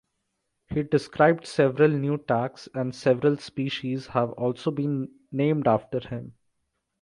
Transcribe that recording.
He described several new tax and several species have also been named after him.